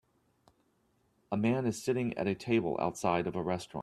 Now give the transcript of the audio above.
A man is sitting at a table outside of a restaurant